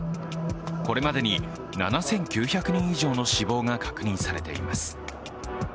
これまでに７９００人以上の死亡が確認されています。